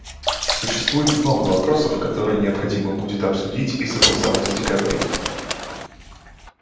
Существует много вопросов, которые необходимо будет обсудить и согласовать в декабре.